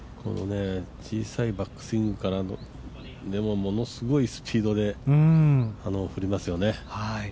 小さいバックスイングからの、でもものすごいスピードで振りますよね。